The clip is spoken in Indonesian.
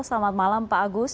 selamat malam pak agus